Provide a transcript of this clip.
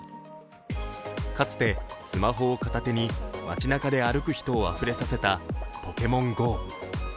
かつてスマホを片手に街なかで歩く人をあふれさせた「ポケモンＧＯ」。